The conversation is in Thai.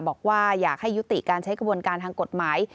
บอกว่าอยากให้ยุติการใช้กระบวนการทางกฎหมาย